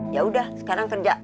yaudah sekarang kerja